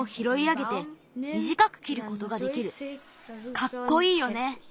かっこいいよね！